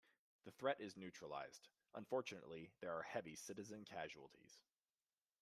The threat is neutralized; unfortunately there are heavy citizen casualties.